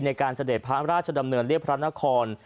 เสด็จพระราชดำเนินเรียบพระนคร